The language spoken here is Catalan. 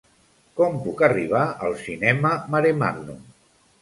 Com puc arribar al cinema Maremàgnum?